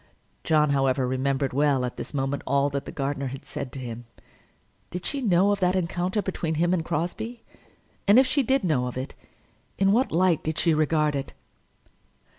John, however, remembered well, at this moment, all that the gardener had said to him. Did she know of that encounter between him and Crosbie? and if she did know of it, in what light did she regard it?